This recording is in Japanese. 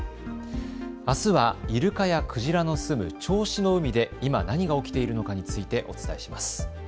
あすはイルカやクジラの住む銚子の海で今、何が起きているのかについてお伝えします。